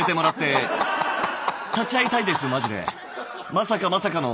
まさかまさかの。